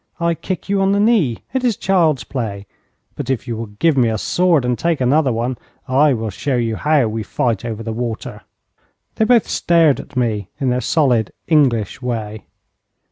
I kick you on the knee. It is child's play. But if you will give me a sword, and take another one, I will show you how we fight over the water.' They both stared at me in their solid, English way.